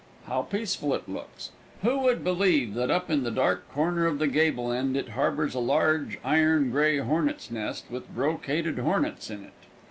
How peaceful it looks! Who would believe that up in the dark corner of the gable end it harbors a large iron gray hornets' nest with brocaded hornets in it?